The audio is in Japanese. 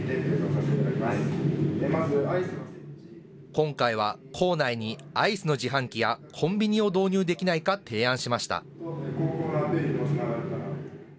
今回は校内にアイスの自販機やコンビニを導入できないか提案しました。